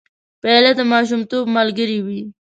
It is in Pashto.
پیاله د ماشومتوب ملګرې وي.